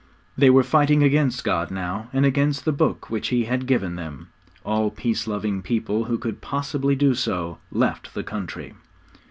They were fighting against God now, and against the Book which He had given them. All peace loving people who could possibly do so left the country.